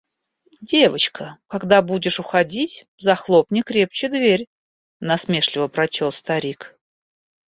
– «Девочка, когда будешь уходить, захлопни крепче дверь», – насмешливо прочел старик.